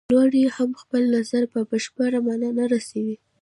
یو لوری هم خپل نظر په بشپړه معنا نه رسوي.